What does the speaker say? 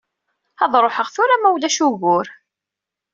Ad ṛuḥeɣ tura ma ulac ugur.